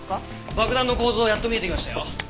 爆弾の構造やっと見えてきましたよ。